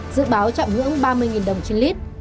dự báo chạm ngưỡng ba mươi đồng trên lít